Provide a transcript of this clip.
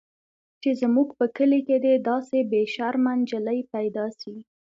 چې زموږ په کلي کښې دې داسې بې شرمه نجلۍ پيدا سي.